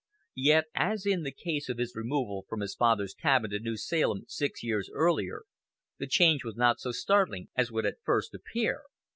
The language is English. Yet, as in the case of his removal from his father's cabin to New Salem six years earlier, the change was not so startling as would at first appear.